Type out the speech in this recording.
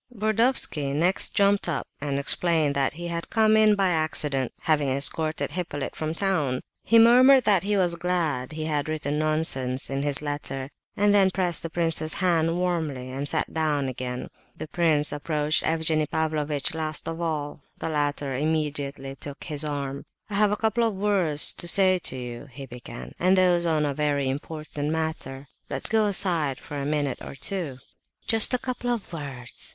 Burdovsky next jumped up and explained that he had come in by accident, having escorted Hippolyte from town. He murmured that he was glad he had "written nonsense" in his letter, and then pressed the prince's hand warmly and sat down again. The prince approached Evgenie Pavlovitch last of all. The latter immediately took his arm. "I have a couple of words to say to you," he began, "and those on a very important matter; let's go aside for a minute or two." "Just a couple of words!"